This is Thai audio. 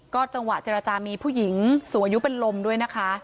จังหวะเจรจามีผู้หญิงสูงอายุเป็นลมด้วยนะคะ